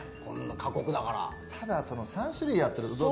過酷だから。